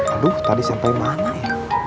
aduh tadi sampai mana ya